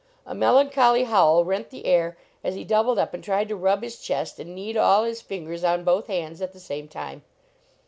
A melancholy howl rent the air as he doubled up and tried to rub his chest and knead all his fingers on both hands at the same time.